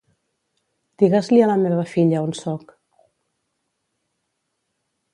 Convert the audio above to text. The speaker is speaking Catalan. Digues-li a la meva filla on soc.